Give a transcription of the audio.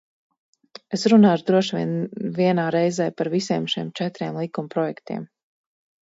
Es runāšu droši vien vienā reizē par visiem šiem četriem likumprojektiem.